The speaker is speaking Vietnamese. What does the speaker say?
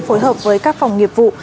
phối hợp với các phòng nghiệp vụ